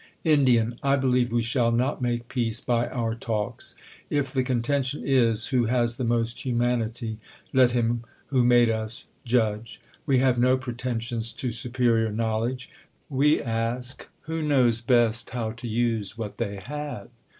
Ind, I believe we shall not make peace by our talks. If the contention is, who has the most humanity, let him who made us judge. Wo have no pretensions to sujicrior knowledge ; we ask, Who knows best how to use what they have